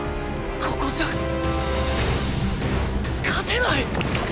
ここじゃ勝てない！！